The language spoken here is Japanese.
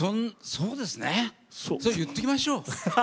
そう言っときましょう。